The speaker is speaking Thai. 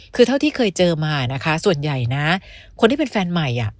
คือเท่าที่เคยเจอมานะคะส่วนใหญ่นะคนที่เป็นแฟนใหม่